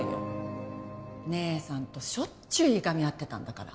姉さんとしょっちゅういがみ合ってたんだから。